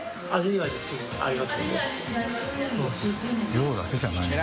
量だけじゃないんだ。